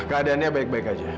keadaannya baik baik aja